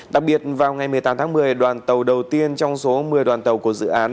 đặc biệt vào ngày một mươi tám tháng một mươi đoàn tàu đầu tiên trong số một mươi đoàn tàu của dự án